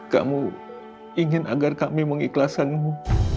kamu ingin agar kami mengikhlaskanmu